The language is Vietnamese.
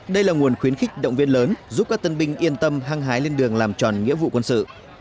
đây là nguồn khuyến khích động viên lớn giúp các tân binh yên tâm hăng hái lên đường làm tròn nghĩa vụ quân sự